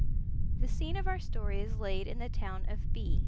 The scene of our story is laid in the town of B